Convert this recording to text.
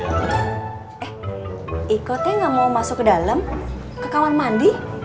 eh iko teh nggak mau masuk ke dalam ke kawang mandi